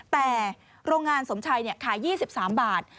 แต่โรงงานสมชัยเนี่ยขายยี่สิบสามบาท